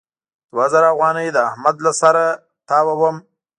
دوه زره افغانۍ د احمد له سره نه تاووم.